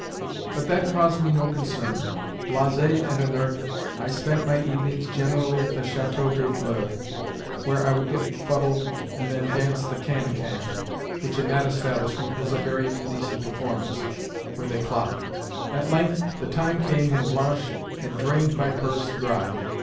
But that caused me no concern. Blasé and inert, I spent my evenings generally at the Château des Fleurs, where I would get fuddled and then dance the cancan (which, in that establishment, was a very indecent performance) with éclat. At length, the time came when Blanche had drained my purse dry.